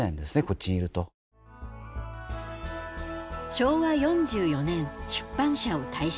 昭和４４年出版社を退社。